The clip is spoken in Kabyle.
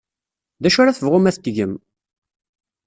D acu ara tebɣum ad t-tgem?